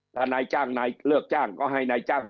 และนายจ้าง